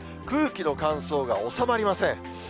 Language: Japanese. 空気の乾燥が収まりません。